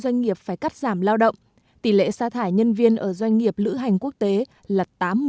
doanh nghiệp phải cắt giảm lao động tỷ lệ xa thải nhân viên ở doanh nghiệp lữ hành quốc tế là tám mươi